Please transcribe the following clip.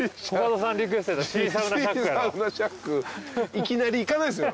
いきなり行かないですよ